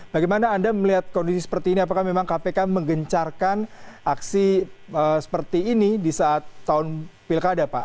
bagaimana anda melihat kondisi seperti ini apakah memang kpk menggencarkan aksi seperti ini di saat tahun pilkada pak